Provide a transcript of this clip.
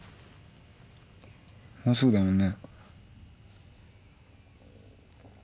もうすぐだもんね。